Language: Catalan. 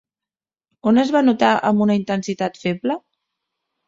On es va notar amb una intensitat feble?